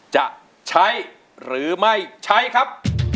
จะใช้หรือไม่ใช้ครับ